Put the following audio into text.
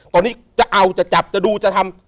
ตอนนี้จะเอาจะจับจะดูจะทำ